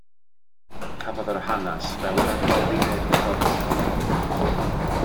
Cafodd yr hanes fel yr adroddir ef uchod.